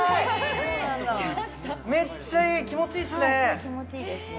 めっちゃいい気持ちいいっすね